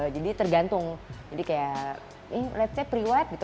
jadi tergantung jadi kayak eh let's say pre wired gitu